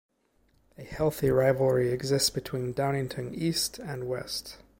A healthy rivalry exists between Downingtown East and West.